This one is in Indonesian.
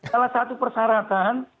salah satu persyaratan